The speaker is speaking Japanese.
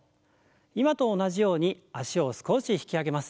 今と同じように脚を少し引き上げます。